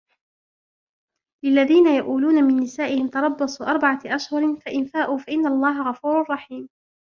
لِلَّذِينَ يُؤْلُونَ مِنْ نِسَائِهِمْ تَرَبُّصُ أَرْبَعَةِ أَشْهُرٍ فَإِنْ فَاءُوا فَإِنَّ اللَّهَ غَفُورٌ رَحِيمٌ